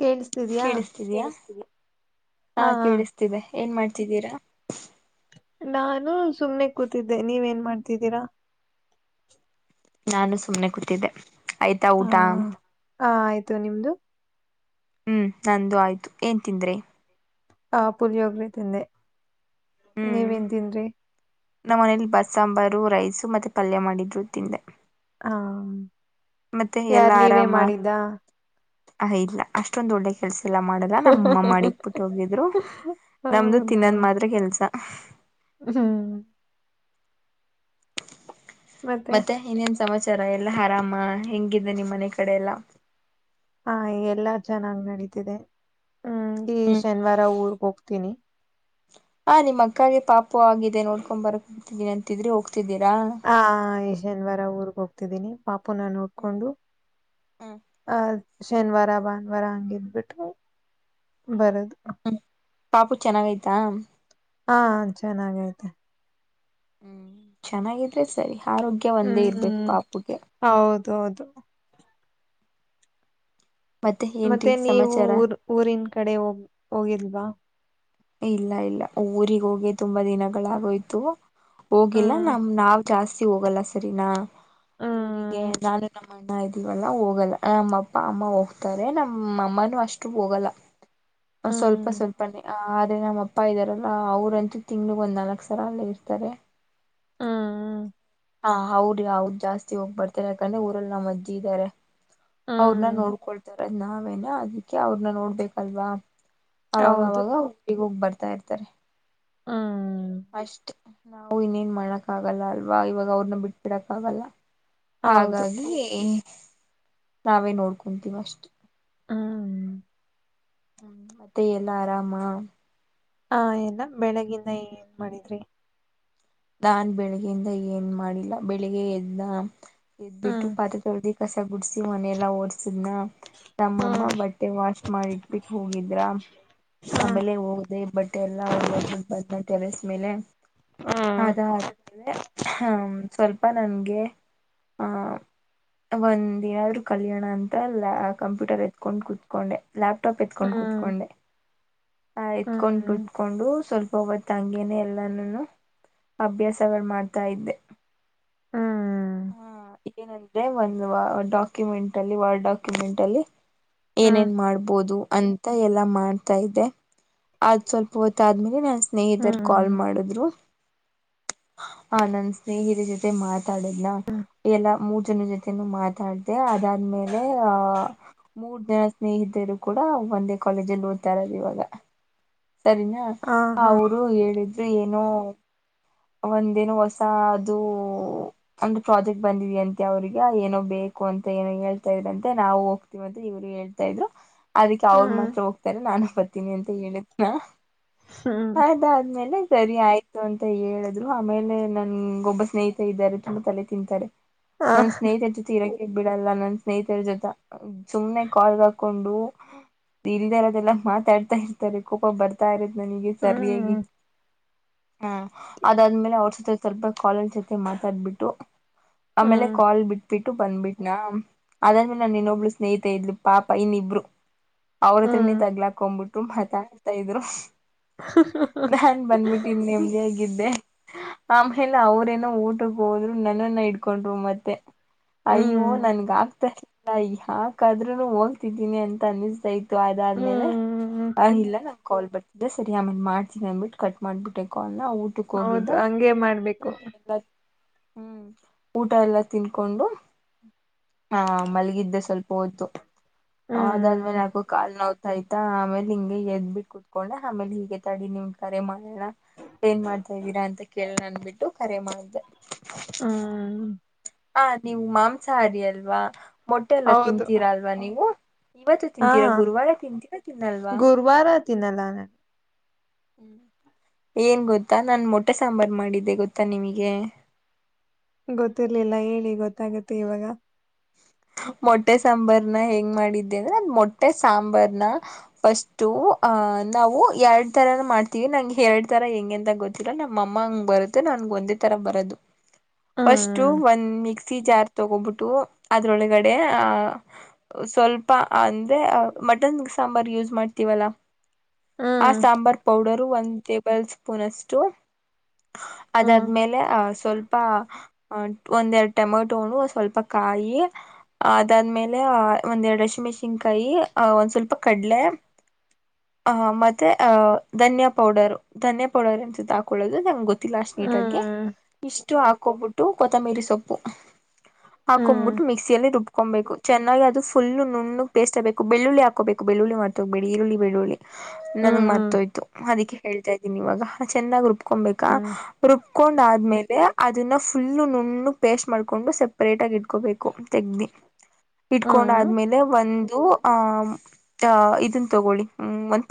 ಕೇಳಿಸ್ತಿದ್ಯಾ ಕೇಳಿಸ್ತಿದಿಯಾ ಕೇಳಿಸ್ತಿದೆ ಹಾ ಕೇಳಿಸ್ತಿದೆ ಏನ್ ಮಾಡ್ತಿದ್ದೀರಾ. ನಾನು ಸುಮ್ನೆ ಕೂತಿದ್ದೆ ನೀವ್ ಏನ್ ಮಾಡ್ತಿದ್ದೀರಾ. ನಾನು ಸುಮ್ಮ್ನೆ ಕೂತಿದ್ದೆ. ಆಯ್ತಾ ಹಾ ಊಟಾ. ಹ ಆಯ್ತು ನಿಮ್ದು ಹ್ಮ್ ನಂದು ಆಯ್ತು ಏನ್ ತಿಂದ್ರಿ ಆ ಪುಳಿಯೋಗರೆ ತಿಂದೆ ಹ್ಮ್ ನೀವೇನ್ ತಿಂದ್ರಿ ನಮ್ಮ ಮನೇಲಿ ಬಸ್ ಸಾಂಬಾರು ರೈಸ್ ಸು ಮತ್ತೆ ಪಲ್ಯ ಮಾಡಿದ್ರು ತಿಂದೆ ಹಾ ಮತ್ತೆ ಯಾರ್ ನೀವೇ ಮಾಡಿದ್ದ ಹ ಇಲ್ಲ ಅಷ್ಟೊಂದು ಒಳ್ಳೆ ಕೆಲ್ಸ ಎಲ್ಲ ಮಾಡಲ್ಲ ನಮ್ಮ ಮಾಡಿಕ್ಬಿಟ್ಟ ಹೋಗಿದ್ರು ನಮ್ದು ಹೌದಾ ತಿನ್ನದ್ ಮಾತ್ರ ಕೆಲ್ಸ ಹಫ ಹ್ಮ್ [inaudible] ಮತ್ತೆ ಏನೇನ್ ಸಮಾಚಾರ ಎಲ್ಲಾ ಆರಾಮ ಹೆಂಗಿದೆ ನಿಮ್ಮ್ ಮನೆ ಕಡೆ ಎಲ್ಲ ಹಾ ಎಲ್ಲಾ ಚೆನ್ನಾಗ್ ನಡೀತಿದೆ ಹ್ಮ್ ಈ ಹ್ಮ್ ಶನಿವಾರ ಊರು ಹೋಗ್ತೀನಿ ಹಾ ನಿಮ್ಮ ಅಕ್ಕಾಗೆ ಪಾಪು ಆಗಿದೆ ನೋಡ್ಕೊಂಡ್ ಬರ್ಕ್ ಹತೀನಿ ಅಂತಿದ್ರಿ ಹೋಗ್ತ ಗ್ತಾದ್ದೀರಾ ಹ ಈ ಶನಿವಾರ ಊರಿಗೆಗ್ ಹೋಗ್ತಿದ್ದೀನಿ ಪಾ ಪುನಃ ನೋಡ್ಕೊಂಡು ಹ್ಮ್ ಆ ಶನಿವಾರ ಭಾನುವಾರ ಹಂಗಿದ್ಬಿಟ್ಟು ಬರದು ಹ್ಮ್ ಪಾಪು ಚೆನ್ನಾಗೈತೆ ಹಾ ಚೆನ್ನಾಗೈತೆ ಹ್ಮ್ ಚೆನ್ನಾಗಿದ್ರೆ ಸರಿ ಆರೋಗ್ಯ ಒಂದೇ ಇರ್ಬೇಕು ಪಾಪುಗೆ ಹೌದು ಹೌದು ಏನ್ರೀ ಮತ್ತೆ ನೀವು ಸಮಾಚಾರ ಊರ್ ಊರಿನ್ ಕಡೆ ಹೋಗ ಹೋಗಿಲ್ವಾ ಇಲ್ಲ ಇಲ್ಲ ಊರಿಗೆ ಹೋಗಿ ತುಂಬಾ ದಿನಗಳಾಗೋಯ್ತು ಹೋಗಿಲ್ಲ ಹ್ಮ್ ನಮ್ ನಾವ್ ಜಾಸ್ತಿ ಹೋಗಲ್ಲ ಸರಿನಾ ಊರಿಗೆ ಹ್ಮ್ ನಾನು ನಮ್ಮ ಅಣ್ಣ ಇದೀವಲ್ಲ ಹೋಗಲ್ಲ ನಮ್ಮ ಅಪ್ಪ ಅಮ್ಮ ಹೋಗ್ತಾರೆ ನಮ್ಮ ಅಮ್ಮನುೂ ಅಷ್ಟು ಹೋಗಲ್ಲ ಸ್ವಲ್ಪ ಹ್ಮ್ ಸ್ವಲ್ಪ ನೆ ಅ ಆದ್ರೆ ನಮ್ಮ ಅಪ್ಪ ಇದ್ದಾರಲ್ಲ ಅವ್ರಂತೂ ತಿಂಗ್ಳಗ್ ಒಂದ್ ನಾಲ್ಕಕ್ ಸರ ಅಲ್ಲಿೇ ಇರ್ತಾರೆ ಹ್ಮ್ ಹಾ ಹೌದಿ ಹ ಅವದದು ಜಾಸ್ತಿ ಹೋಗ್ ಬರ್ತಾರೆ ಯಾಕಂದ್ರೆ ಊರಲ್ಲಿ ನಮ್ಮ ಅಜ್ಜಿ ಇದ್ದಾರೆ ಅವ್ರನ್ನ ಹ್ಮ್ ನೋಡ್ಕೊಳ್ತಾರೆ ನಾವೇನ ಅದಕ್ಕೆ ಅವ್ರನ್ನ ನೋಡ್ಬೇಕಲ್ವಾ ಅವಾಗ ಹೌದು ಅವಾಗ ಒಟ್ಟಿಗೆ ಹೋಗ್ಬರ್ೆ ಮಾಡ್ತಾ ಇರ್ತಾರೆ ಹ್ಮ ಅಷ್ಟೇ ನಾವು ಇನ್ನೇನ್ ಮಾಡಕ್ ಆಗಲ್ಲ ಅಲ್ವಾ ಇವಾಗ ಅವ್ರನ್ನ ಬಿಟ್ಬಿಡಕ್ ಆಗಲ್ಲ ಹೌದು ಹಾಗಾಗಿ ನಾವೇ ನೋಡ್ಕೊಂತೀವ ಅಷ್ಟೆ ಹ್ಮ ಹ್ಮ್ ಮತ್ತೆ ಎಲ್ಲಾ ಆರಾಮಾ ಹ ಎಲ್ಲ ಬೆಳಗಿಂದ ಏನ್ ಮಾಡಿದ್ರಿ ನಾನ್ ಬೆಳಿಗ್ಗೆಯಿಂದ ಏನ್ ಮಾಡಿಲ್ಲ ಬೆಳಿಗ್ಗೆ ಎದ್ದನ್ನ ಎದ್ ಬಿಟ್ಟು ಹ್ಮ್ ಪಾತ ತೊಡಿ ಕಸ ಗುಡಿಸಿಿ ಮನೆ ಎಲ್ಲ ಓಡ್ಸಿ ಹ್ಮ್ ನಮ್ಮಮ್ಮ ಬಟ್ಟೆ ವಾಶ್ ಮಾಡಿಟ್ಬಿಟ್ಟು ಹೋಗಿದ್ರ ಹ್ಮ್ ಆಮೇಲೆ ಹೋದೆ ಬಟ್ಟೆ ಎಲ್ಲಾ ಒಣಗಕ್ ಬಿಿಟ್ಟಬದ್ನ ತಟೆರೆಸ್ ಮೇಲೆ ಹ್ಮ್ ಅದಾದ ಹ್ಮ ಸ್ವಲ್ಪ ನನ್ಗೆ ಆಹ ಒಂದಿನಾದ್ರೂ ಕಲ್ಯಾಣ ಅಂತ ಕಂಪ್ಯೂಟರ್ ಎತ್ಕೊಂಡು ಕುೂತ್ಕೊಂಡೆ ಲ್ಯಾಪ್ಟಾಪ್ ಎತ್ಕೊಂಡು ಹ್ಮ್ ಕುೂತ್ಕೊಂಡೆ ಆ ಎತ್ಕೊಂಡು ಹ್ಮ್ ಕುತ್ಕೊಂಡು ಸ್ವಲ್ಪತ್ತು ತಂಗೇನೆೇ ಎಲ್ಲಾನನು ಅಭ್ಯಾಸವ ಮಾಡ್ತಾ ಇದ್ದೆ ಹಾ ಏನಂದ್ರೆ ಒಂದು್ ಡಾಕ್ಯುಮೆಂಟ್ ಅಲ್ಲಿ ವಾರ್ಡ್ ಡಾಕ್ಯುಮೆಂಟ್ ಅಲ್ಲಿ ಹ್ಮ್ ಹ್ಮ್ ಏನೇನ್ ಮಾಡ್ಬೋದು ಅಂತ ಎಲ್ಲ ಮಾಡ್ತಾ ಇೆ ಅದು್ ಸ್ವಲ್ಪ ಹೊತ್ತಾದ್ಮೇಲೆ ನಾ ಸ್ನೇಹಿತರ್ ಕಾಲ್ ಹ್ಮ್ ಮಾಡಿದ್ರು ಹ ನನ್ ಸ್ನೇಹಿತರ ಜೊತೆ ಮಾತಾಡದ್ನ ಹ್ಮ್ ಎಲ್ಲ ಮೂರ್ ಜನ ಜೊತೆನುೂ ಮಾತಾಡ್ದ ಅದಾದ್ಮೇಲೆ ಆಹ ಮೂರ್ ಜನ ಸ್ನೇಹಿತರು ಕೂಡ ಒಂದೇ ಕಾಲೇಜಲ್ಲಿ ಓದ್ತಾರದು ಇವಾಗ ಸರಿನಾ ಹಾ ಹಾ ಅವರು ಹೇಳಿದ್ರು ಏನೋ ಒಂದೇನು ಹೊಸ ಅದು ಅಂದ್ರೆ ಪ್ರಾಜೆಕ್ಟ್ ಬಂದಿದ ಅಂತೆ ಅವ್ರಿಗೆ ಏನೋ ಬೇಕು ಅಂತ ಏನೋ ಹೇಳ್ತಾ ಇದ್ರಂತೆ ನಾವು ಹೋಗ್ತಿೀವಂತ ಇವರು ಹೇಳ್ತಾ ಇದ್ರು ಅದಕ್ಕೆ ಅವರು ಹ್ಮ್ ಮಾತ್ರ ಹೋಗ್ತಾರೆ ನಾನು ಬರ್ತೀನಿ ಅಂತ ಹೇಳಿದ ಹ ಹ್ಮ್ ಅದಾದ್ಮೇಲೆ ಸರಿ ಆಯ್ತು ಅಂತ ಹೇಳಿದ್ರು ಆಮೇಲೆ ನನ್ ಒಬ್ಬ ಸ್ನೇಹಿತ ಇದ್ದಾರೆ ತುಂಬಾ ತಲೆ ತಿಂತಾರೆ ಹಾ ನನ್ನ ಸ್ನಚ ತೀರ ಬಿಡಲ್ಲ ನನ್ ಸ್ನೇಹಿತರ ಜೊತೆ ಸುಮನೆ ಕಾಲ್ ಹಾಕೊಂಡು ಇಲ್ದ ಇರೋದೆಲ್ಲ ಮಾತಾಡ್ತಾ ಇರ್ತಾರೆ ಕಕ್ ಬರ್ತಾ ಇರತ್ತ ನನಗೆ ಸರಿಯಾಗಿ ಹ್ಮ್ ಹ ಅದಾದ್ಮೇಲೆ ಅವ್ರ ಸ ಸ್ವಲ್ಪ ಕಲ್ಲ್ ಜೊತೆ ಮಾತಾಡ್ಬಿಟ್ಟು ಆಮೇಲೆ ಹ್ಮ್ ಕಾಲ್ ಬಿಟ್ಟ ಬಿಿಟ್ಟು ಬಂದ್ಬಿಟ್ನಾ ಅದಾದ್ಮೇಲೆ ನಾನು ಇನ್ನೊಬ್ಳ ಸ್ನೇಹಿತ ಇದ್ಲಿ ಪಾಪ ಇನ್ನಿಬ್ರು ಅವ್ರ ಹತ್ರನೇ ಹ್ಮ್ ತಗ್ಲಾಕೊಂಡ್ಬಿಟ್ಟು ತುಮಹತ ಹತ್ತ ಇದ ಇದ್ರು ನಾನ್ ಬಂದಬಿಟ್ಟನ್ ನಿಮ್ದ ಹೇಗಿದ್ದೆ ಆಮೇಲೆ ಅವ್ರೇನೋ ಊಟಕ್ಕೆ ಹೋದ್ರು ನನನ್ನ ಇಡ್ಕೊಂಡ್ರು ಮತ್ತೆ ಅಯ್ಯೋ ಹ್ಮ್ ನನ್ಗ ಆಗ್ತ ನ ಯಾಕಾದ್ರೂನು ಹೋಗ್ತಿದ್ದೀನಿ ಅಂತ ಅನ್ನಿಸ್ತ ಇತ್ತು ಆಯ್ದಾದ್ಮೇಲೆ ಹ್ಮ್ ಆ ಇಲ್ಲ ನ ಕಾಲ್ ಬಟ್ಟತಿದೆ ಸರಿ ಆಮೇಲೆ ಮಾಡ್ತೀನಿ ಅಂದಬಿಟ್ಟು ಕಟ್ ಮಾಡ್ಬಿಟ್ಟೆ ಕಾಲ್ ನಾ ಊಟಕ್ಕೆ ಹೋಗಿದ್ದ ಹೌದು ಹಂಗೆ ಮಾಡ್ಬೇಕು ಊಟ ಎಲ್ಲ ಹ್ಮ್ ಊಟ ಎಲ್ಲ ತಿನ್ಕೊಂಡು ಆಹ ಮಲ್ಗಿದ್ದೆ ಸ್ವಲ್ಪ ಹೊತು ಹ್ಮ್ ಅದಾದ್ಮೇಲೆ ಯಾಕು ಕಾಲು ನೋವು ಆಯ್ತ ಆಮೇಲೆ ಹಿಂಗೆ ಎದ್ಬಿಟ್ಟು ಕುತ್ಕೊಂಡ ಆಮೇಲೆ ಹೀಗೆ ತಡಿ ನೀವ್ ಕರೆ ಮಾಡೋಣ ಏನ್ ಮಾಡ್ತಾ ಇದ್ದೀರಾ ಅಂತ ಕೇಳಂದಬಿಟ್ಟು ಕರೆ ಮಾಡ್ದೆ ಹ್ಮ್ ಆ ನೀವು ಮಾಂಸಾಹಾರಿ ಅಲ್ವಾ ಮೊಟ್ಟೆ ಎಲ್ಲ ಹೌದು ತಿಂತೀರಾ ಅಲ್ವಾ ನೀವು ಇವತ್ತು ಹಾ ತಿಂತೀರಾ ಗುರುವಾರ ತಿಂತೀರಾ ತಿನ್ನಲ್ವಾ ಹ್ಮ ಹ್ಮ್ ಏನ್ ಗೊತ್ತಾ ನಾನ್ ಮೊಟ್ಟೆ ಸಾಂಬಾರ್ ಮಾಡಿದ್ದೆ ಗೊತ್ತಾ ನಿಮಗೆ ಗೊತ್ತಿರ್ಲಿಲ್ಲ ಹೇಳಿ ಗೊತ್ತಾಗುತ್ತೆ ಇವಾಗ ಮೊಟ್ಟೆ ಸಾಂಬಾರ್ನ ಹೆಂಗ್ ಮಾಡಿದ್ದೆ ಅಂದ್ರೆ ಅ ಮೊಟ್ಟೆ ಸಾಂಬಾರ್ನ ಫಿರ್ಸ್ಟ್ ಅಹ್ ನಾವು ಎರಡ್ ತರನ ಮಾಡ್ತೀವಿ ನಂಗೆ ಎರಡ್ ತರ ಹೆಂಗಗೆ ಅಂತ ಗೊತ್ತಿರ ನಮ್ಮ ಅಮ್ಮ ಹಂಗ್ ಬರುತ್ತೆ ನನ್ಗೆ ಒಂದೇ ತರ ಬರದು ಫಸ್ಟು ಹ್ಮ್ ಒಂದ್ ಮಿಕ್ಸಿ ಜಾರ್ ತಗೋಬಿಟ್ಟು ಅದ್ರೊಳಗಡೆ ಆ ಸ್ವಲ್ಪ ಅಂದ್ರೆ ಮಟನ್ ಸಾಂಬಾರ್ ಯೂಸ್ ಮಾಡ್ತೀವಲ್ಲ ಆ ಹ್ಮ್ ಸಾಂಬಾರ್ ಪೌಡರು ಒಂದ ಪ್ಪಲ್ ಸ್ಪೂನ್ಷ್ಟು ಹ್ಮ್ ಅದಾದ್ಮೇಲೆ ಆ ಸ್ವಲ್ಪ ಅ ಒಂದ ಎರಡು ಟೊಮೆಟೋಣ ಸ್ವಲ್ಪ ಕಾಯಿ ಅ ಅದಾದ್ಮೇಲೆ ಒಂದ್ ಎರಡು ಅಸೆ ಮೆಣಸನ್ಕಾಯಿ ಅ್ ಒಂದ್ ಸ್ವಲ್ಪ ಕಡ್ಲೆ ಆಹ ಮತ್ತೆ ಅಹ ಧನ್ಯಾ ಪೌಡರ್ ಧನ್ಯಾ ಪೌಡರ್ ಎಂತ ಹಾಕೊಳ್ಳೋದು ನಂಗೆ ಗೊತ್ತ ಲ ಅಷ್ಟು ನೀಟಗೆ ಹ್ಮ್ ಇಷ್ಟ ಎಷ್ಟು ಹಾಕೋಗ್ಬಿಟ್ಟು ಕೊತ್ತಂಬಿರಿ ಸೊಪ್ಪು ಹಾಕೊಂಡು ಹ್ಮ್ ತಕೊಬೇಕು ಚೆನ್ನಾಗಿ ಅದುಫು ನುಣಗ್ ಪೇಸ್ಟ್ ಆಗಬೇಕು ಬೆಳ್ಳುಳ್ಳಿ ಹಾಕೋಬೇಕು ಬೆಳ್ಳುಳ್ಳಿ ಮಾಡ್ತ ಹ್ಬೇಡಿ ಈರುಳ್ಳ ಬೆಳ್ಳುಳ್ಳಿ ನನ್ಗ್ ಹ್ಮ್ ಮರ್ತೋಯ್ತು ಅದಕ್ಕೆ ಹೇಳ್ತಾ ಇ ಇವಾಗ ಚೆನ್ನ್ರು ಕೊಬೇಕಾ ಹ್ಮ್ ರು ಹಕೊಂಡಾದ್ಮೇಲೆ ಅದನ್ನ ಫುಲ್ಲು ನುಣ್ಣು ಪೇಸ್ಟ್ ಮಾಡ್ಕೊಂಡು ಸೆಪ್ರೇಟ್ ಆಗಿ ಇಟ್ಕೊಬೇಕು ಹ್ಮ್ ದು ಆ ಇದನ್ ತಗೊಳ್ಳಿ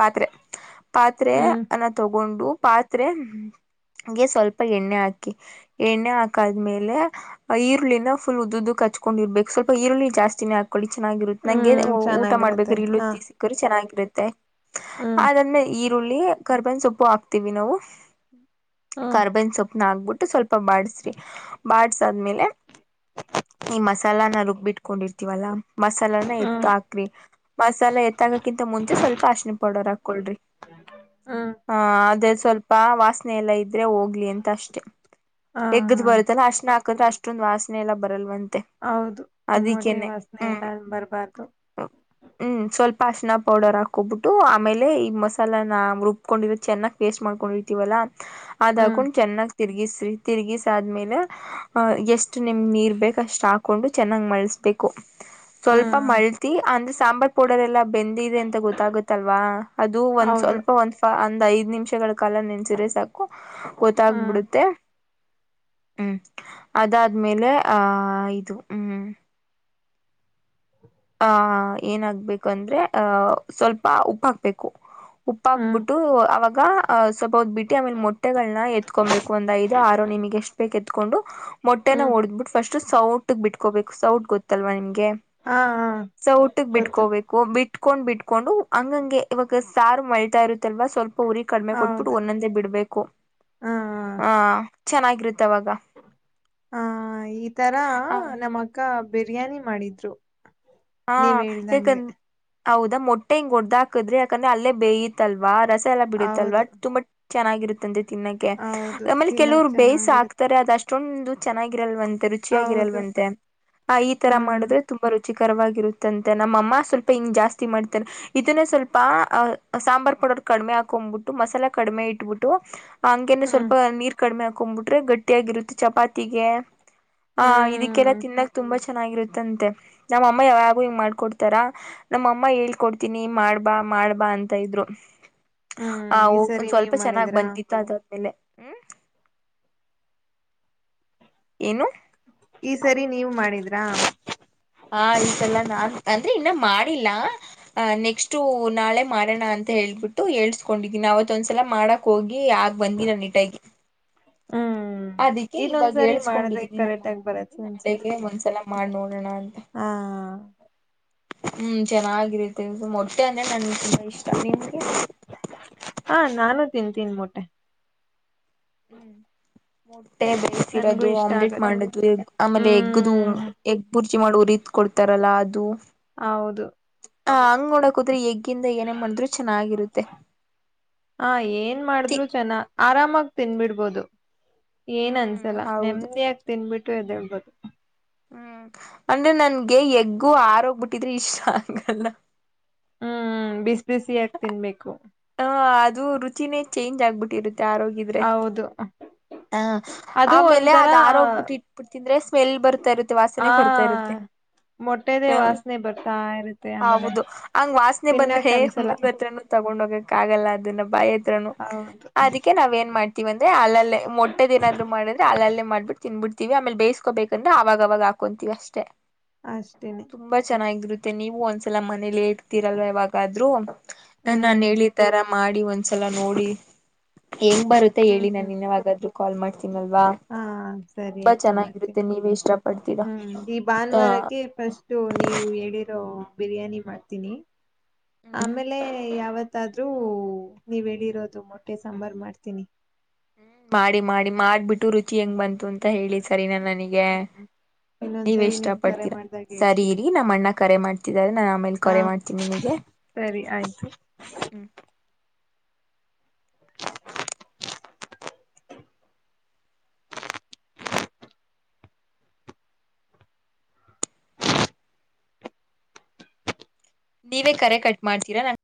ಪಾತ್ರೆ ಪಾತ್ರೆ ಹ್ಮ್ ಅನ್ನ ತಗೊಂಡು ಪಾತ್ರೆಗೆ ಸ್ವಲ್ಪ ಎಣ್ಣೆ ಹಾಕಿ ಎಣ್ಣೆ ಹಾಕಾದ್ಮೇಲೆ ಈರುಳ್ಳಿನ ಫುಲ್ ಉದುದ ಹಚ್ ಕೊಂಡರ್ಬೇಕ ಸ್ವಲ್ಪ ಈರುಳ್ಳಿ ಜಾಸ್ಥೆ ಹಾಕೊಳ್ಳಿ ಚೆನ್ನಾಗಿರುತ್ತೆ ನಂಗೆ ಹ್ಮ್ ಊಟ ಚೆನ್ನಾಗಿರತ್ತೆ ಮಾಡ್ಬೇಕ್ರ ಹಾ ಇರುತ್ತಿ ಸಿಕ್ಕೋರು ಚೆನ್ನಾಗಿ ಇರುತ್ತೆ ಹ್ಮ್ ಅದಾದ್ನೇಲ್ ಈ ರುಳ್ಳಿ ಕರ್ಬೇನ್ ಸೊಪ್ಪು ಹಾಕ್ತಿವಿ ನಾವು ಹ್ಮ್ ಕಾರ್ಬೆನ್ಸೊಪ್ಪು ಾಕ್ಬಿಟ್ಟು ಸ್ವಲ್ಪ ಬಾಡ್ಸ್ರಿ ಬಾಡ್ಸ ಆದ್ಮೇಲೆ ಈ ಮಸಾಲಾನ ರುಬ್ಬಿಟ್ಕೊಂಡಿರ್ತೀವಲ್ಲಾ ಮಸಾಲಾನ ಎತ್ತ ಹ್ಮ್ ಹಾಕ್ರಿ ಮಸಾಲೆ ಎತ್ತಾಕಕಿಂತ ಮುಂಚೆ ಸ್ವಲ್ಪ ಅರಿಶಿನ ಪೌಡರ್ ಹಾಕೊಳ್ರಿ ಹ್ಮ್ ಆ ಅದ ಸ್ವಲ್ಪ ವಾಸನೆ ಎಲ್ಲ ಇದದೆ ೆ ಹೋಗ್ಲಿ ಅಂತ ಅಷ್ಟೇ ಹಾ ತಗದ್ ಬರುತ್ತಲ್ಲಾ ಅಷ್ಟ್ ಅಷ್ಟೊಂದು ವಾಸನೆ ಎಲ್ಲ ಬರಲ್ವಂತ ಹೌದು ಒಮ್ಮಟೆ ವಾಸನೆ ಹ್ಮ್ ಎಲ್ಲ ಬರ್ಬಾರ್ದು ಪಾಶನ ಪೌಡರ್ ಹಾಕ್ಕೊಬಿಟ್ಟು ಆಮೇಲೆ ಈ ಮಸಾಲಾನಾ ರುಬ್ಕೊಂಡಿರೋದು ಚೆನ್ನಾಗಿ ವೇಸ್ಟ್ ಮಾಡ್ಕೊಂಡಿರ್ತೀವಲ್ಲ ಅದ ಹ್ಮ್ ಹಾಕೊಂಡು ಚೆನ್ನಾಗಿ ತಿರ್ಗಿಸ್ರಿ ತಿರ್ಗಿಸಾದ್ಮೇಲೆ ಅಹ ಎಷ್ಟ್ ನಿಮ ನೀರ್ ಬೇಕು ಕಷ್ಟ ಹಾಕೊಂಡು ಚೆನ್ನಾಗ್ ಮಳ್ಸ್ಬೇಕು ಸ್ವಲ್ಪ ಹ್ಮ್ ಮಳ್ತಿ ಅಂದ್ರೆ ಸಾಂಬಾರ್ ಪೌಡರ್ ಎಲ್ಲಾ ಬೆಂದ ಇದೆ ಅಂತ ಗೊತ್ತಾಗುತ್ತಲ್ವಾ ಅದು ಒಂದ್ ಹೌದು ಸ್ವಲ್ಪ ಒಂದ ಒಂದು ಐದ್ ನಿಮಿಷಗಳ ಕಾಲ ನೆನ್ ಸರೆ ಸಾಕು ಹ್ಮ್ ಗೊತ್ತಾಗಬಿಡುತ್ತೆ ಹ್ಮ್ ಅದಾದ್ಮೇಲೆ ಆಹ್ ಹ ಇದು ಹ್ಮ್ ಹ ಏನಾಗ್ಬೇಕು ಅಂದ್ರೆ ಅ ಸ್ವಲ್ಪ ಉಪ್ಪ ಹಾಕ್ಬೇಕು ಉಪ್ಪ ಹ್ಮ್ ಹಾಕ್ಬಿಟ್ಟು ಅವಾಗ ಸ್ವಲ್ಪ ಹೊತ್ತು ಬಿಟ್ಟಿ ಆಮೇಲೆ ಮೊಟ್ಟೆಗಳ್ನ ಎತ್ಕೊಬೇಕು ಒಂದ್ ಐದು ಆರು ನಿಮಗೆ ಎಷ್ಟ ಬೇಕ್ ಎತ್ಕೊಂಡು ಮೊಟ್ಟೆನ ಹ್ಮ್ ಹೊಡದ್ಬಿಟ್ಟು ಫಸ್ಟ್ ಸೌಟ್ ಬಿಟ್ಕೋಬೇಕು ಸೌಟ್ ಗೊತ್ತಲ್ ನಿಮ್ಗೆ ಹಾ ಹಾ ಸೌಟಗ ಗೊತ್ತು ಬಿಟ್ಕೋಬೇಕು ಬಿಟ್ಕೊಂಡ್ ಬಿಟ್ಕೊಂಡು ಹಂಗಂಗೆ ಇವಾಗ ಸಾರು ಮಳತಾ ಇರುತ್ತಲ್ವ ಸ್ವಲ್ಪ ಪುರಿ ಕಡಿಮೆ ಕೊಟ್ಬಿಟ್ಟು ಹೌದು ಒಂದೊಂದೇ ಬಿಡ್ಬೇಕು ಆ ಚೆನ್ನಾಗಿರುತ್ತೆ ಅವಾಗ ಹ ಈ ತರ ಹ ನಮ್ಮ ಅಕ್ಕ ಬಿರಿಯಾನಿ ಮಾಡಿದ್ರು ಹಾ ನೀವ್ ಹೇಳ್ದಂಗೆ ಯಾಕಂದ ಹೌದಾ ಮೊಟ್ಟೆ ಹಿಂಗ ಹೊಡ್ದ ಹಾಕಿದ್ರಿ ಯಾಕಂದ್ರೆ ಅಲ್ಲೇ ಬೇಯಿತಲ್ವ ರಸ್ ಎಲ್ಲ ಬಿಡುತ್ತಲ್ವಾ ಹೌದು ತುಂಬಾ ಚೆನ್ನಾಗಿರುತ್ತಂತೆ ತಿನ್ನಕೆ ಹೌದು ಆಮೇಲೆ ತಿನ್ನಕ್ ಕೆಲವ್ರು ಬೇಯ್ ಸ ಚೆನ್ನಾಗಿರುತ್ತೆ ಹಕ್ತಾರೆ ಅದೆಷ್ಟು ಅಷ್ಟೊಂದು ಚೆನ್ನಾಗಿರಲ್ವಂತ ರುಚಿಯ ಹೌದು ಆಗಿರಲ್ವಂತೆ ಆ ಈ ತರ ಹ್ಮ್ ಮಾಡಿದ್ರೆ ತುಂಬಾ ರುಚಿ ರವಾಗಿರುತ್ತಂತೆ ನಮ್ಮಅಮ್ಮ ಸ್ವಲ್ಪ ಹಿಂಗ ಜಾಸ್ತಿ ಮಾಡ್ತಾರೆ ಇದನ್ನ ಸ್ವಲ್ಪ ಅ ಸಾಂಬಾರ್ ಪೌಡರ್ ಕಡಿಮೆ ಹಾಕೊಂಡ್ಬಿಟ್ಟು ಮಸಾಲಾ ಕಡಿಮೆ ಇಟ್ಬಿಟ್ಟು ಹಂಗೇನ ಹ್ಮ್ ಸ್ವಲ್ಪ ನೀರ್ ಕಡಿಮೆ ಹಾಕ್ಬ ಕುಂಬ್ಹಿಡಿ ಗಟ್ಟಿಯಾಗಿರುತ್ತೆ ಚಪಾತಿಗೆ ಹ ಇದಕ್ಕೆಲ್ಲ ಹ್ಮ್ ತಿನ್ನಕ್ ತುಂಬಾ ಚೆ ಚೆನ್ನಾಗಿರುತ್ತಂತೆ ನಮ್ಮ ಅಮ್ಮ ಯಾವಾಗ್ಲು ಹಿಂಗ ಮಾಡ್ಕೊಡ್ತಾರ ನಮ್ಮಅಮ್ಮ ಹೇಳ್ಕೊಡ್ತೀನಿ ಮಾಡ್ಬಾ ಮಾಡ್ಬಾ ಅಂತ ಇದ್ರು ಹ್ಮ್ ಅ ಈ ಹೋಗ ಸರಿ ಒಂದ್ ಸ್ವಲ್ಪ ನೀವ್ ಚೆನ್ನಾಗ್ ಮಾಡಿದ್ರಾ ಬಂದಿತ್ತು ಅದಾದ್ಮೇಲೆ ಹ್ಮು ಏನು ಈ ಸರಿ ನೀವು ಮಾಡಿದ್ರಾ. ಹಾ ಈದೆಲ್ಲ ನಾನ್ [unintelligible] ರೀ ಇನ್ನ ಮಾಡಿಲ್ಲ ನೆಕ್ಸ್ಟ್ ನಾಳೆ ಮಾಡೋಣ ಅಂತ ಹೇಳ್ಬಿಟ್ಟು ಹೇಳ್ಸ್ಕೊಂಡಿದೀನಿ ಅವತ್ತು ಒಂದ್ಸಲ ಮಾಡಕ್ ಹೋಗಿ ಆಗ ಬಂದಿದ್ದ ನೀಟಾಗಿ. ಹ್ಮ್ ಅದಕ್ಕೆ ಇವಾಗ ಇನ್ನೊಂದ್ಸರಿ ಮಾಡಿದ್ರೆ ಏಳ್ಸ್ಕೊಂಡಿದ್ದೀನಿ ಕರೆಕ್ಟ್ ಆಗಿ ನಮ್ಮಮ್ಮಲ್ಲಿ ಬರತ್ತೆ ಅನ್ಸುತ್ತೆ ನಾಳೆಗೆ ಒಂದ್ಸಲ ಮಾಡಿ ನೋಡೋಣ ಅಂತ. ಹಾ ಹ್ಮು ಚೆನ್ನಾಗಿರುತ್ತೆ ಮೊಟ್ಟೆ ಅಂದ್ರೆ ನನ್ಗೆ [unintelligible] ಹಾ ನಾನು ತಿಂತೀನಿ ಮೊಟ್ಟೆ. ಹ್ಮು [unintelligible] ಟೇಬಲ್ಸ್ ನನ್ಗೂ ಇರೋದು ಇಷ್ಟ ಆಮ್ಲೆಟ್ ಆಗತ್ತೆ ಮಾಡೋದು ಆಮೇಲೆ ಎಗ್ಗದು ಹ್ಮ್ ಬುರ್ಜ ರುಚಿ ಮಾಡೋ ರಿತ್ ಕೊಡ್ತಾರಲ್ಲ ಅದು ಹೌದು ಹ ಹಂಗ್ ನೋಡೋಕ್ ಹೋದ್ರೆ ಎಗ್ ಏನೇ ಮಾಡಿದ್ರು ಚೆನ್ನಾಗಿರುತ್ತೆ ಹ ಏನ್ ತಿ ಮಾಡಿದ್ರು ಚೆನ್ನ ಆರಾಮಾಗಿ ತಿನ್ಬಿಡ್ಬೋದು. ಏನ್ ಹ್ಮ್ ಅನ್ಸಲ್ಲಾ ಹೌದು ನೆಮ್ಮದಿಯಾಗಿ ತಿನ್ಬಿಟ್ಟ [unintelligible] ಹ್ಮು ಅಂದ್ರೆ ನನ್ಗೆ ಎಗ್ಗು ಆರೋಗ್ಬಿಟ್ಟಿದ್ರೆ ಇಷ್ಟ ಆಗಲ್ಲ. ಹ್ಮು ಬಿಸಿ ಬಿಸಿಯಾಗಿ ತಿನ್ಬೇಕು. ಹ ಅದು ರುಚಿನೇ ಚೇಂಜ್ ಆಗ್ಬಿಟ್ಟಿರುತ್ತೆ. ಹೌದು ಹಾ ಅದು ಆಮೇಲೆ ಒಂಥರ ಅದ್ ಆರೋಗ್ಬಿಟ್ಟಿದ್ರೆ ತಿಂದ್ರೆ ಸ್ಮೆಲ್ ಬರ್ತಾ ಇರುತ್ತೆ ವಾಸನೆ ಆ ಬರ್ತಾ ಇರುತ್ತೆ ಮೊಟ್ಟೆದೇ ಹ ವಾಸನೆ ಬರ್ತಾ ಇರುತ್ತೆ ಆಮೇಲೆ ಹೌದು ಹಂಗ ವಾಸನೆ ತಿನ್ನಕ್ ಬಂದ್ರೆ ಅನ್ಸಲ್ಲ ಮೂಗ ಹತ್ರ ತಗೊ ತಗೊಂಡ್ ಹೋಗಕ್ಕ ಆಗಲ್ಲ ಅದನ್ನ ಬಾಯತ್ರನು ಹೌದು ಅದಕ್ಕೆ ನಾವ್ ಏನ್ ಮಾಡ್ತೀವಿ ಅಂದ್ರೆ ಆಮೇಲೆ ಮೊಟ್ಟೆದೇನಾದ್ರೂ ಮಾಡಿದ್ರೆ ಅಲ್ಲಲ್ಲೇ ಮಾಡ್ಬಿ ತಿನ್ಬಿಡ್ತೀವಿ ಆಮೇಲೆ ಬೇಯಸ್ಕೋಬೇಕಂದ್ರೆ ಅವಾಗವಾಗ ಹಾಕೊಂತೀವಿ ಅಷ್ಟೇ. ಅಷ್ಟೇನೆ ತುಂಬಾ ಚೆನ್ನಾಗಿರುತ್. ಮತ್ತೆ ನೀವು ಒಂದ್ಸಲ ಮನೇಲೆ ಇರ್ತೀರಲ್ವಾ ಯಾವಾಗಾದ್ರೂ ನಾನಾನ್ ಹ್ಮ್ ಹೇಳಿತರ ಮಾಡಿ ಒಂದ್ಸಲಾ ನೋಡಿ. ಹೆಂಗ್ ಬರತ್ತೆ ಹ್ಮ್ ಹೇಳಿ ಹ್ಮ್ ನಂಗ ಇನ್ಯವಾಗಾದ್ರೂ. [unintelligible] ಹಾ ಸರಿ ಆಯ್ತು ಮಾಡ್ತನೆ ಚೆನ್ನಾಗಿರುತ್ತೆ ನೀವೇ ಇಷ್ಟ ಪಡ್ತೀರಾ ಹ್ಮ್ ಈ ಹ ಭಾನುವಾರಕ್ಕೆ ಫಸ್ಟು ನೀವು ಹೇಳಿರೋ ಬಿರಿಯಾನಿ ಮಾಡ್ತೀನಿ ಹ್ಮ್ ಆಮೇಲೆ ಯಾವತ್ತಾದ್ರೂ ನೀವ ಹೇಳಿರೋದ ಮೊಟ್ಟೆ ಸಾಂಬಾರ್ ಮಾಡ್ತೀನಿ ಹ್ಮ ಮಾಡಿ ಮಾಡಿ ಮಾಡ್ಬಿಟ್ಟ ರುಚಿ ಹೆಂಗ್ ಹ್ಮ್ ಬಂತು ಅಂತ ಹೇಳಿ ಸರಿನಾ ನನಿಗೆ ಹ್ಮ್ ಹ್ಮ್ ನೀವೆ ಇನ್ನೊಂದ್ಸರಿ ಇಷ್ಟ ನಿಮ್ ಕರೆ ಪಡ್ತೀರಾ ಮಾಡ್ದಾಗ ಸರಿ ಹೇಳ್ತೀನಿ ಇರಿ ನಮ್ಮ ಅಣ್ಣ ಕರೆ ಮಾಡ್ ತಿದಾರೆ ನಾ ಆಮೇಲೆ ಹ ಕರೆ ಮಾಡ್ತೀನಿ ನಿಮಿಗೆ ಸರಿ ಆಯ್ತು. ಹ್ಮ್ ನೀವೇ ಕರೆ ಕಟ್ ಮಾಡ್ತೀರಾ ನಾನ್